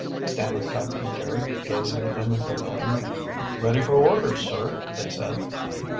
stammered Captain Jerry, gazing at them in bewilderment. "Ready for orders, sir," they said.